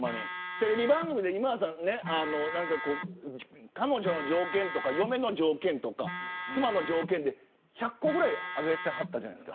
テレビ番組で今田さんが彼女の条件とか嫁の条件とか妻の条件で、１００個ぐらい挙げてはったじゃないですか。